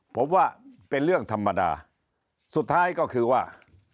ผมว่าเป็นเรื่องธรรมดาสุดท้ายก็คือว่า